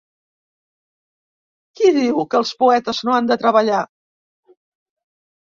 Qui diu que els poetes no han de treballar?